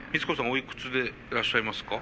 おいくつでいらっしゃいますか？